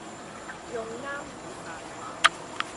用啱語法